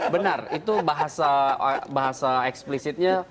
benar itu bahasa eksplisitnya